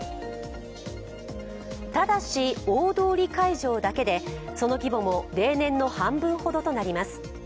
ただし、大通会場だけで、その規模も例年の半分ほどとなります。